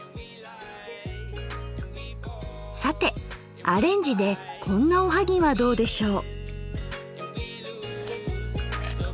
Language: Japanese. さてアレンジでこんなおはぎはどうでしょう。